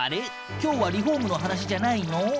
今日はリフォームの話じゃないの？